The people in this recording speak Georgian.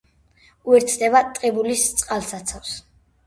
უერთდება ტყიბულის წყალსაცავს.